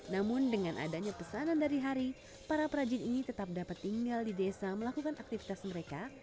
namun dengan adanya pesanan dari hari para perajin ini tetap dapat tinggal di desa melakukan aktivitas mereka